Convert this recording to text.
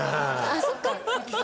あっそっか。